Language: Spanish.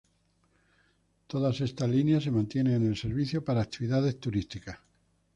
Todas estas líneas se mantienen en el servicio para actividades turísticas.